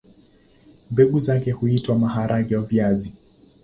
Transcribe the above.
Mbegu zake huitwa maharagwe-viazi.